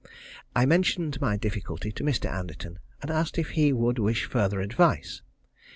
I mentioned my difficulty to Mr. Anderton, and asked if he would wish further advice.